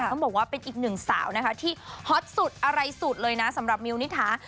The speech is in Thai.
ต้องบอกว่าเป็นอีกหนึ่งสาวนะคะที่ฮอตสุดอะไรสุดเลยนะสำหรับมิวนิษฐา